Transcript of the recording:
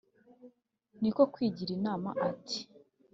Ni ko kwigira inama ati: